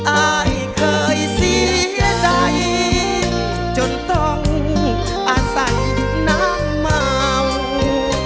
อายเคยเสียใจจนต้องอาศัยน้ำเมา